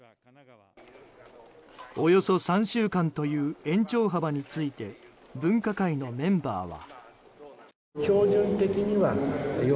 およそ３週間という延長幅について分科会のメンバーは。